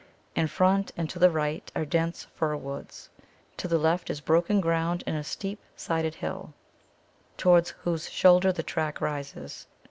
In front and to the right are dense fir woods. To the left is broken ground and a steep sided hill, towards whose shoulder the track rises.